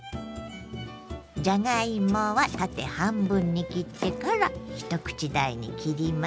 じゃがいもは縦半分に切ってから一口大に切ります。